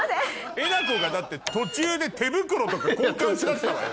えなこがだって途中で手袋とか交換しだしたわよ。